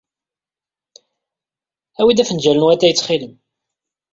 Awey-d afenjal n watay, ttxil-m.